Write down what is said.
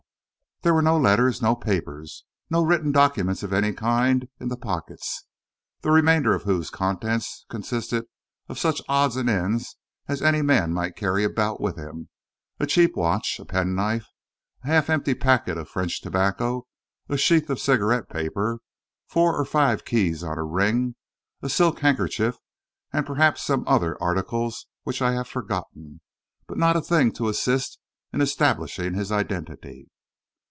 There were no letters, no papers, no written documents of any kind in the pockets, the remainder of whose contents consisted of such odds and ends as any man might carry about with him a cheap watch, a pen knife, a half empty packet of French tobacco, a sheaf of cigarette paper, four or five keys on a ring, a silk handkerchief, and perhaps some other articles which I have forgotten but not a thing to assist in establishing his identity.